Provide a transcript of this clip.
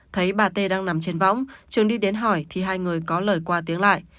thấy bà t đang nằm trên võng trường đi đến hỏi thì hai người có lời qua tiếng lại